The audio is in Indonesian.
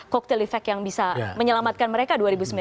koktel efek yang bisa menyelamatkan mereka dua ribu sembilan belas